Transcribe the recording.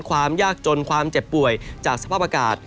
ความยากจนความเจ็บป่วยจากสภาพอากาศ